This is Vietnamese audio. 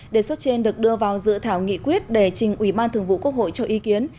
đề xuất trên được đưa vào dự thảo nghị quyết để trình ủy ban thường vụ quốc hội cho ý kiến